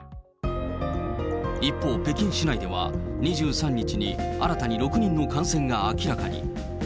一方、北京市内では２３日に新たに６人の感染が明らかに。